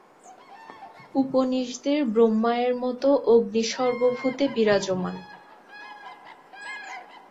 উপনিষদের ব্রহ্মা-এর মতো অগ্নি সর্বভূতে বিরাজমান।